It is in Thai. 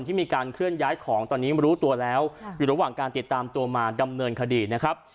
ที่มีการเคลื่อนย้ายของตอนนี้รู้ตัวแล้วอยู่ระหว่างการติดตามตัวมาดำเนินคดีนะครับ